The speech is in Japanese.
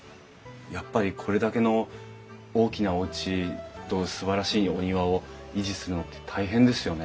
やっぱりこれだけの大きなおうちとすばらしいお庭を維持するのって大変ですよね。